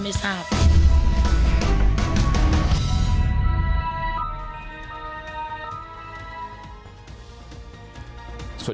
มีความรู้สึกว่า